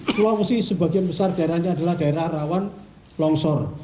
sulawesi sebagian besar daerahnya adalah daerah rawan longsor